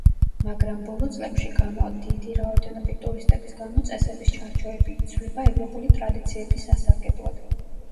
მაგრამ ბოლო წლებში გამო დიდი რაოდენობით ტურისტების გამო წესების ჩარჩოები იცვლება ევროპული ტრადიციების სასარგებლოდ.